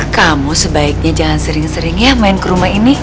kamu sebaiknya jangan sering sering ya main ke rumah ini